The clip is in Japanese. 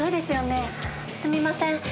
すみません。